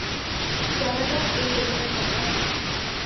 জানা যাক এই তরুণের কথা।